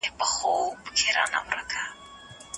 د کار موندل د هر وګړي هیله ده.